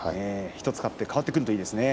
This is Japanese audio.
１つ勝って変わってくるといいですね。